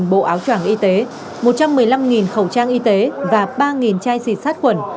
năm bộ áo tràng y tế một trăm một mươi năm khẩu trang y tế và ba chai xịt sát quẩn